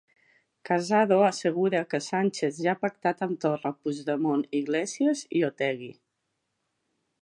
Casado assegura que Sánchez ja ha pactat amb Torra, Puigemont, Iglesias i Otegi.